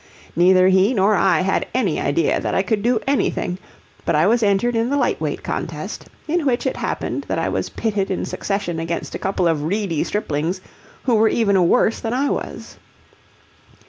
Neither he nor I had any idea that I could do anything, but I was entered in the lightweight contest, in which it happened that I was pitted in succession against a couple of reedy striplings who were even worse than I was.